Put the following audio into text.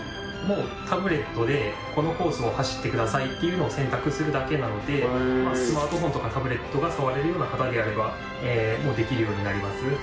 タブレットでこのコースを走ってくださいっていうのを選択するだけなのでスマートフォンとかタブレットがさわれるような方であればもうできるようになります。